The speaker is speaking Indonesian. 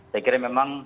saya kira memang